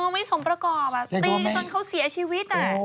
ไม่สมประกอบตีกันจนเขาเสียชีวิต